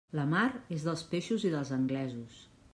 La mar és dels peixos i dels anglesos.